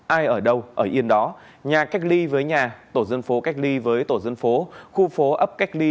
ai ở đâu ở yên đó nhà cách ly với nhà tổ dân phố cách ly với tổ dân phố khu phố ấp cách ly